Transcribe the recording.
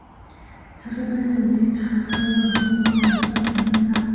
她说她认为卡瓦诺打算强奸她。